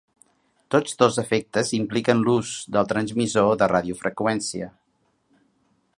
Tots dos efectes impliquen l'ús del transmissor de radiofreqüència.